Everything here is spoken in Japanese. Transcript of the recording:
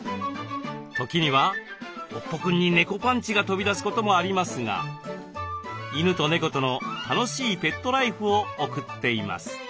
時にはおっぽくんに猫パンチが飛び出すこともありますが犬と猫との楽しいペットライフを送っています。